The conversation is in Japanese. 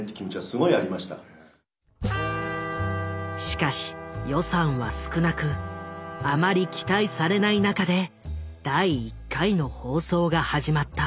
しかし予算は少なくあまり期待されない中で第１回の放送が始まった。